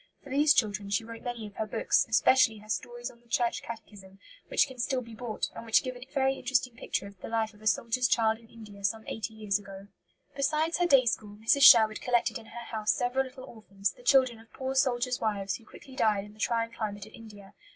For these children she wrote many of her books, especially her Stories on the Church Catechism, which can still be bought, and which give a very interesting picture of the life of a soldier's child in India some eighty years ago. Besides her day school, Mrs. Sherwood collected in her house several little orphans, the children of poor soldiers' wives who quickly died in the trying climate of India.